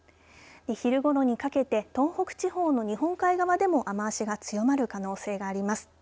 昼ごろにかけて東北地方の日本海側でも雨足が強まる可能性があります。